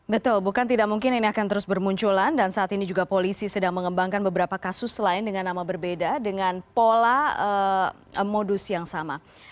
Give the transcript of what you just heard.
betul bukan tidak mungkin ini akan terus bermunculan dan saat ini juga polisi sedang mengembangkan beberapa kasus lain dengan nama berbeda dengan pola modus yang sama